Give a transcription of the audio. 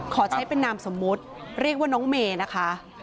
ขอใช้เป็นนามสมมุติเรียกว่าน้องเมย์นะคะ